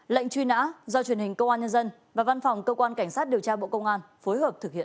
lệnh truy nã do truyền hình công an nhân dân và văn phòng cơ quan cảnh sát điều tra bộ công an phối hợp thực hiện